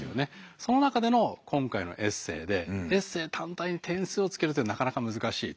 その中での今回のエッセーでエッセー単体で点数をつけるというのはなかなか難しいと。